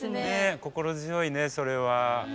心強いねそれは。